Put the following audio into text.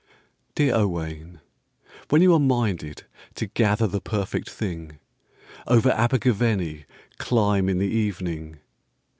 Dear Owain, when you are minded To gather the perfect thing, Over Abergavenny Climb in the evening!